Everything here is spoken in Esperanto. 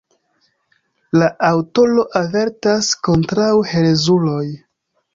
La aŭtoro avertas kontraŭ herezuloj.